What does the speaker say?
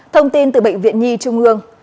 thông tin từ bệnh viện nhi trung ương